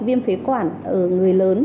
viêm phế quản ở người lớn